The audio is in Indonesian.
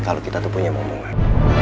kalau kita tuh punya omongan